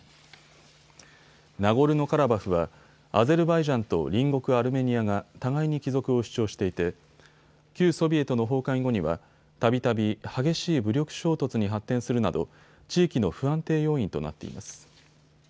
ナゴルノカラバフはアゼルバイジャンと隣国アルメニアが互いに帰属を主張していて旧ソビエトの崩壊後にはたびたび激しい武力衝突に発展するなど地域の不安定要因となっています。